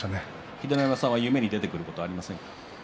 秀ノ山さんには夢に出てくることはありませんか。